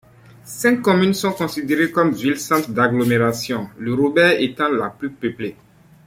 Cinq communes sont considérées comme villes-centres d'agglomération, Le Robert étant la plus peuplée.